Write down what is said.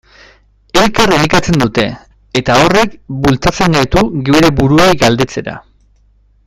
Elkar elikatzen dute, eta horrek bultzatzen gaitu geure buruei galdetzera.